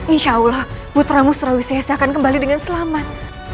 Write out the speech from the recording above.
insya allah putramu surawi sese akan kembali dengan selamat